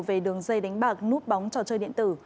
về đường dây đánh bạc nút bóng cho chơi điện tử